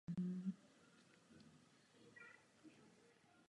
Ale naším úkolem není předkládat legislativní návrhy.